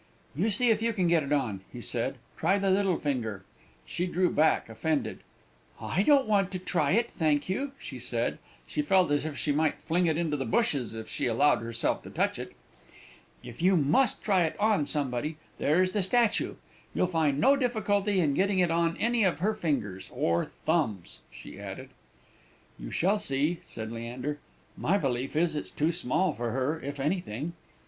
"You see if you can get it on," he said; "try the little finger!" She drew back, offended. "I don't want to try it, thank you," she said (she felt as if she might fling it into the bushes if she allowed herself to touch it). "If you must try it on somebody, there's the statue! You'll find no difficulty in getting it on any of her fingers or thumbs," she added. "You shall see," said Leander. "My belief is, it's too small for her, if anything."